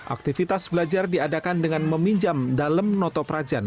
aktivitas belajar diadakan dengan meminjam dalam noto prajan